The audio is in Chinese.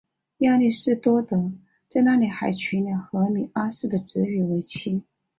亚里士多德在那里还娶了赫米阿斯的侄女为妻。